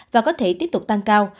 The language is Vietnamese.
và có thể tiếp tục tăng cao